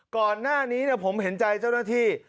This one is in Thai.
ก่อนหน้านี้ผมเห็นใจเจ้าหน้าที่